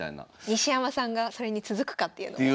西山さんがそれに続くかっていうのも。